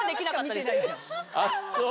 あっそう。